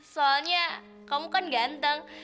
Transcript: soalnya kamu kan ganteng